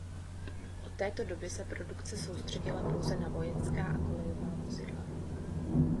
Od této doby se produkce soustředila pouze na vojenská a kolejová vozidla.